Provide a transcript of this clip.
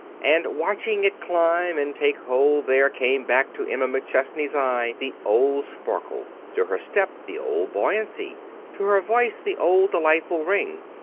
And watching it climb and take hold there came back to Emma McChesney's eye the old sparkle, to her step the old buoyancy, to her voice the old delightful ring.